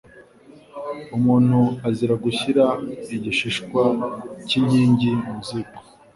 Umuntu azira gushyira igishishwa cy’inkingi mu ziko,